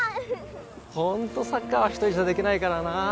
ホントサッカーは一人じゃできないからなあ